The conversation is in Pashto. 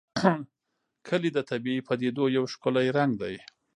کلي د طبیعي پدیدو یو ښکلی رنګ دی.